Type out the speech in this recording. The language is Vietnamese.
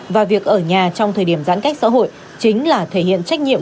và việc ở nhà trong thời điểm giãn cách xã hội chính là thể hiện trách nhiệm